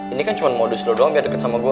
ini kan cuma modus lu doang biar deket sama gua